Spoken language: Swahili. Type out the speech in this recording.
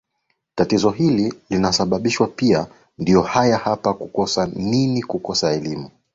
tatizo hili linasababishwa pia ndio haya hapa kukosa nini kukosa elimu